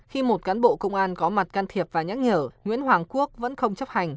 khi một cán bộ công an có mặt can thiệp và nhắc nhở nguyễn hoàng quốc vẫn không chấp hành